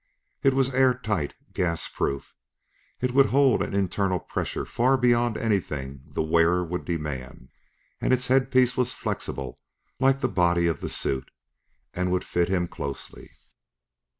It was air tight, gas proof; it would hold an internal pressure far beyond anything the wearer would demand; and its headpiece was flexible like the body of the suit, and would fit him closely.